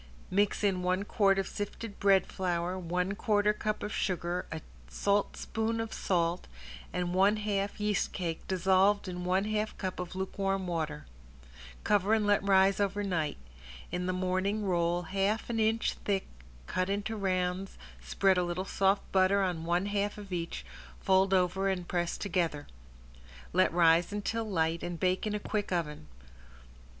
Mix in one quart of sifted bread flour, one quarter cup of sugar, a saltspoon of salt and one half yeast cake dissolved in one half cup of lukewarm water. Cover and let rise over night. In the morning roll half an inch thick cut into rounds, spread a little soft butter on one half of each, fold over and press together. Let rise until light and bake in a quick oven.